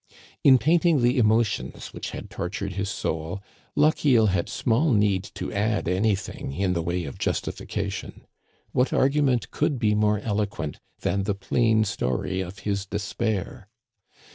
In painting the emotions which had tort ured his soul, Lochiel had small need to add anything in the way of justification. What argument could be more eloquent than the plain story of his despair!